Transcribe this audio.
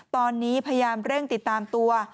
ตอนนี้พยายามเร่งติดตามตัว